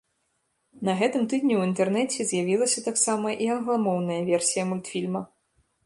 На гэтым тыдні ў інтэрнэце з'явілася таксама і англамоўная версія мультфільма.